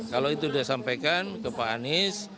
kalau itu sudah sampaikan ke pak anies